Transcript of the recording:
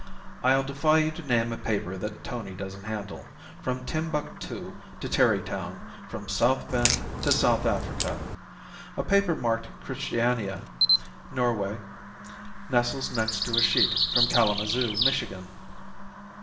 I'll defy you to name a paper that Tony doesn't handle, from Timbuctoo to Tarrytown, from South Bend to South Africa. A paper marked Christiania, Norway, nestles next to a sheet from Kalamazoo, Michigan.